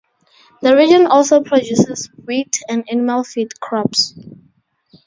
The region also produces wheat and animal feed crops.